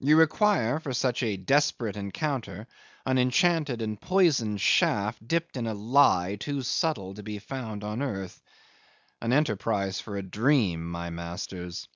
You require for such a desperate encounter an enchanted and poisoned shaft dipped in a lie too subtle to be found on earth. An enterprise for a dream, my masters!